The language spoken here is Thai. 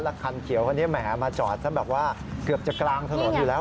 แล้วคันเขียวเมหมาจอดเกือบจะกลางสนุนอยู่แล้ว